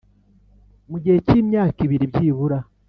mu gihe cy imyaka ibiri byibura